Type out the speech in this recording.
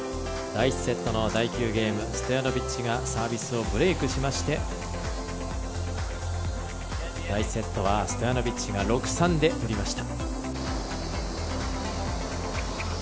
ストヤノビッチがサービスをブレークしまして第１セットはストヤノビッチが６−３でとりました。